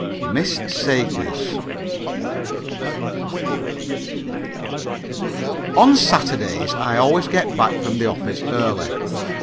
MISS SAKERS On Saturdays I always get back from the office early.